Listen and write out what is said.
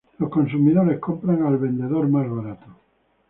Los consumidores compran al vendedor más barato.